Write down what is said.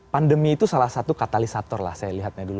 pandemi itu salah satu katalisator lah saya lihatnya dulu